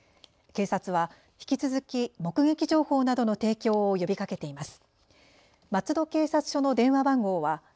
警察は引き続き目撃情報などの提供を呼びかけています。